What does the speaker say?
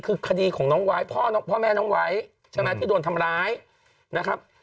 คือคดีของน้องไวท์พ่อแม่น้องไวท์ใช่ไหมที่โดนทำร้ายนะครับ